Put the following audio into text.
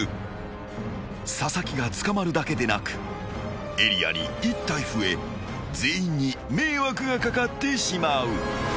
［佐々木が捕まるだけでなくエリアに１体増え全員に迷惑が掛かってしまう］